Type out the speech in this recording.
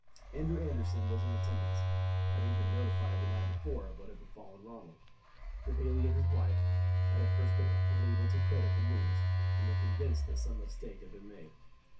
Andrew Anderson was in attendance, having been notified the night before of what had befallen Ronald. The bailie and his wife had at first been unable to credit the news, and were convinced that some mistake had been made.